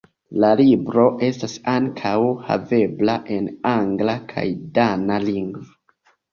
La libro estas ankaŭ havebla en angla kaj dana lingvo.